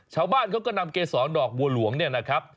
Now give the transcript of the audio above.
ชาวบ้านเขาก็นำเกษรดอกบัวหลวงเนี่ยนะครับ